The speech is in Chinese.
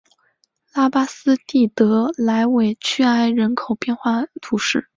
拉巴斯蒂德莱韦屈埃人口变化图示